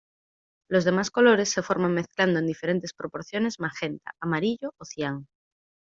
Los demás colores se forman mezclando en diferentes proporciones magenta, amarillo o cian.